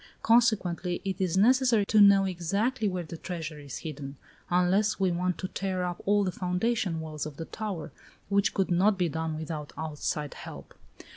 Consequently, it is necessary to know exactly where the treasure is hidden, unless we want to tear up all the foundation walls of the tower, which could not be done without outside help."